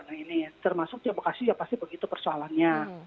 nah ini termasuk ya bekasi ya pasti begitu persoalannya